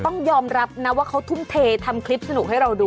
ต้องยอมรับนะว่าเขาทุ่มเททำคลิปสนุกให้เราดู